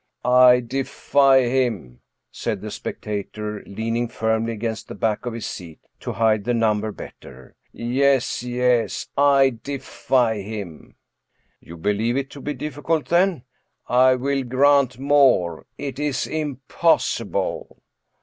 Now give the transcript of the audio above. " I defy him," said the spectator, leaning firmly against the back of his seat, to hide the number better —'' yes, yes —I defy him I" " You believe it to be difficult, then? "" I will grant more : it is impossible."